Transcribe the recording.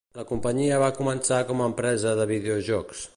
La companyia va començar com a empresa de videojocs.